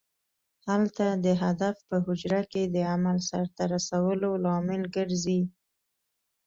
هلته د هدف په حجره کې د عمل سرته رسولو لامل ګرځي.